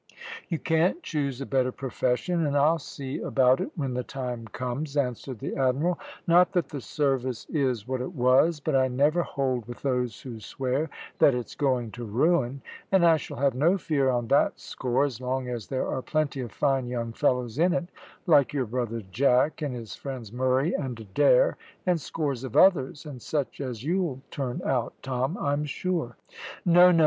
"You can't choose a better profession, and I'll see about it when the time comes," answered the Admiral. "Not that the service is what it was, but I never hold with those who swear that it's going to ruin, and I shall have no fear on that score as long as there are plenty of fine young fellows in it, like your brother Jack and his friends Murray and Adair and scores of others, and such as you'll turn out, Tom, I'm sure. No, no.